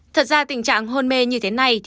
thật ra tình trạng hôn mê như thế này